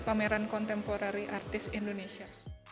pameran kontemporari artis indonesia